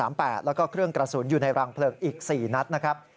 แล้วก็เครื่องกระสุนอยู่ในรังเพลิงอีก๔นัดนะครับ